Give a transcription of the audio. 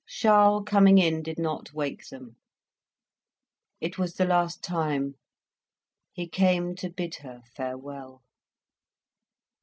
Charles coming in did not wake them. It was the last time; he came to bid her farewell.